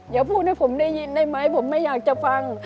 อย่าพูดให้ผมได้ยินได้ไหมผมไม่อยากจะฟัง